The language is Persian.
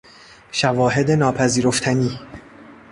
شواهد ناپذیرفتنی